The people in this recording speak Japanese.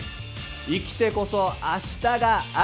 生きてこそ明日がある。